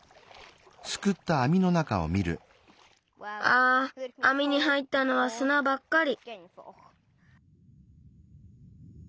ああみに入ったのはすなばっかり。